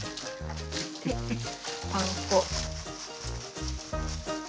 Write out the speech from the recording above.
パン粉。